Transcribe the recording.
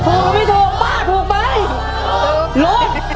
ถูกหรือไม่ถูกถูกนี่